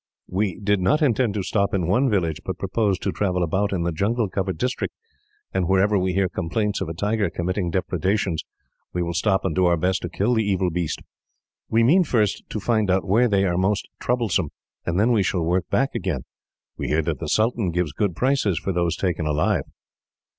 "We did not intend to stop in one village, but proposed to travel about in the jungle covered district; and wherever we hear complaints of a tiger committing depredations, we will stop and do our best to kill the evil beast. We mean, first, to find out where they are most troublesome, and then we shall work back again. We hear that the sultan gives good prices, for those taken alive."